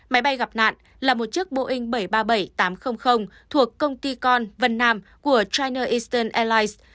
máy bay gặp nạn là một chiếc boeing bảy trăm ba mươi bảy tám trăm linh thuộc công ty con vân nam của china istan airlines